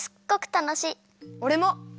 おれも！